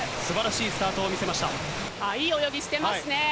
いい、泳ぎしてますね。